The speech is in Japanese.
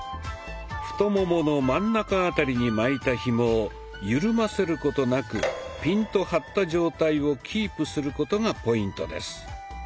太ももの真ん中辺りに巻いたひもをゆるませることなくピンと張った状態をキープすることがポイントです。